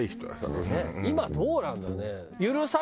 今どうなんだろうね。